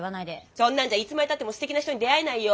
そんなんじゃいつまでたってもすてきな人に出会えないよ？